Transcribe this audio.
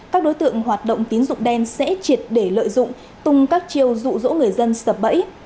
các đối tượng hoạt động tín dụng đen sẽ triệt để lợi dụng tung các chiêu dụ dỗ người dân sập bẫy